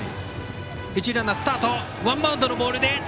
一塁ランナー、スタート。